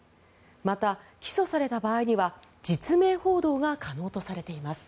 また、起訴された場合には実名報道が可能とされています。